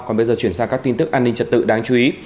còn bây giờ chuyển sang các tin tức an ninh trật tự đáng chú ý